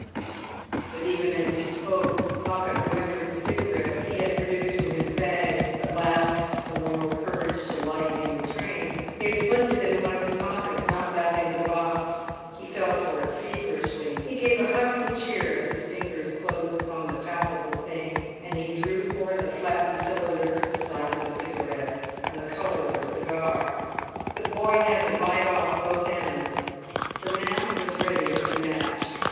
But even as he spoke Pocket remembered the cigarette he had produced from his bag, but lacked the moral courage to light, in the train. He had slipped it into one of his pockets, not back into the box. He felt for it feverishly. He gave a husky cheer as his fingers closed upon the palpable thing, and he drew forth a flattened cylinder the size of a cigarette and the colour of a cigar. The boy had to bite off both ends; the man was ready with the match.